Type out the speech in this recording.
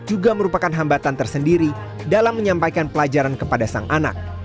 juga merupakan hambatan tersendiri dalam menyampaikan pelajaran kepada sang anak